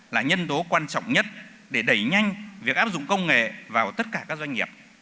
là nhân tố quan trọng nhất để đẩy nhanh việc áp dụng công nghệ vào tất cả các doanh nghiệp